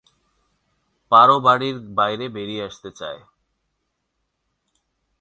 পারো বাড়ির বাইরে বেরিয়ে আসতে চায়।